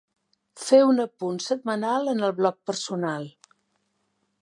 Fer un apunt setmanal en el blog personal.